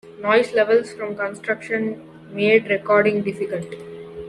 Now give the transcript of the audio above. Noise levels from construction made recording difficult.